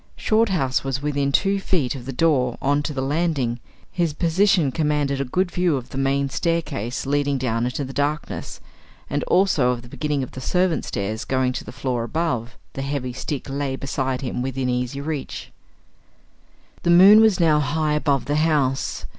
Shorthouse was within two feet of the door on to the landing; his position commanded a good view of the main staircase leading down into the darkness, and also of the beginning of the servants' stairs going to the floor above; the heavy stick lay beside him within easy reach. The moon was now high above the house.